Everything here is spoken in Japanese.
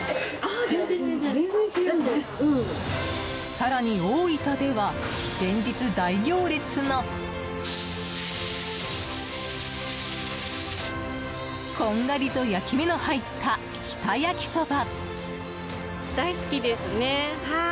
更に大分では、連日大行列のこんがりと焼き目の入った日田焼きそば。